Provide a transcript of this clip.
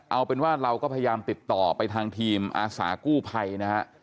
เอาเป็นว่าเราก็พยายามติดต่อไปทางทีมอาสากู้ภัยนะฮะ